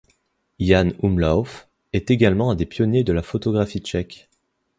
Jan Umlauf est également un des pionniers de la photographie tchèque.